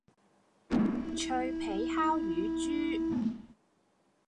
脆皮烤乳豬